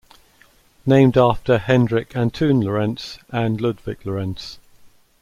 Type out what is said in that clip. Named after Hendrik Antoon Lorentz and Ludvig Lorenz.